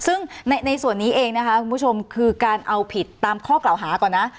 ซึ่งในส่วนนี้เองนะคะคุณผู้ชมคือการเอาผิดตามข้อกล่าวหาก่อนนะ